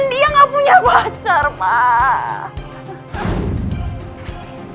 dan dia gak punya wajar pak